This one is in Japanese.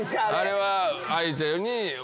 あれは。